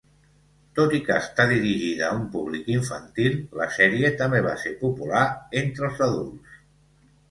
Tot i que està dirigida a un públic infantil, la sèrie també va ser popular entre els adults.